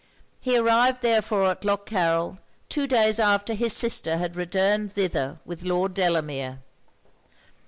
He arrived therefore at Lough Carryl two days after his sister had returned thither with Lord Delamere.